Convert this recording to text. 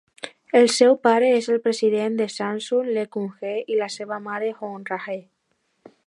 El seu pare és el president de Samsung, Lee Kun-hee, i la seva mare, Hong Ra-hee.